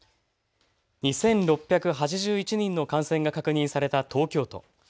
２６８１人の感染が確認された東京都。